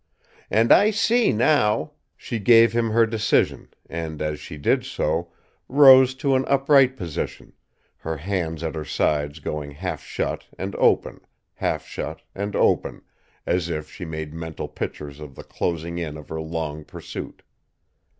"And I see now!" she gave him her decision, and, as she did so, rose to an upright position, her hands at her sides going half shut and open, half shut and open, as if she made mental pictures of the closing in of her long pursuit.